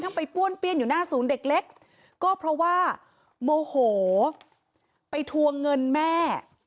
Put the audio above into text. ไปป้วนเปี้ยนอยู่หน้าศูนย์เด็กเล็กก็เพราะว่าโมโหไปทวงเงินแม่